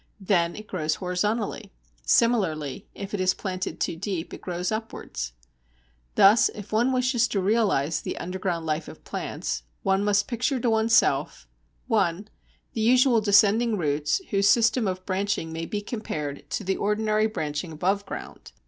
Then it grows horizontally. Similarly, if it is planted too deep it grows upwards. Thus if one wishes to realize the underground life of plants, one must picture to oneself: 1. The usual descending roots, whose system of branching may be compared to the ordinary branching above ground.